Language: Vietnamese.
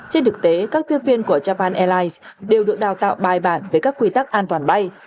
trên thực tế các tiếp viên của japan airlines đều được đào tạo bài bản về các quy tắc an toàn bay